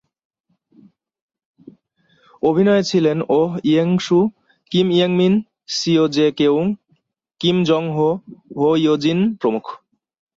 অভিনয়ে ছিলেন, Oh ইয়েং-সু, Kim ইয়েং-মিন, Seo Jae-kyung, Kim Jong-ho, Ha Yeo-jin প্রমুখ।